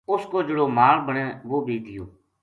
اس کو جہیڑو مال بنے وہ بھی دیوں